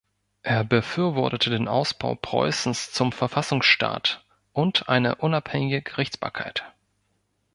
Er befürwortete den Ausbau Preußens zum Verfassungsstaat und eine unabhängige Gerichtsbarkeit.